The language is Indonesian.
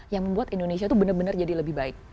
yang membuat indonesia tuh bener bener jadi lebih baik